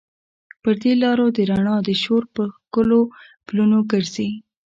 پر دې لارو د رڼا د شور، په ښکلو پلونو ګرزي